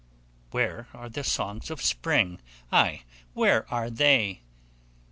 Where are the songs of Spring? Ay, where are they?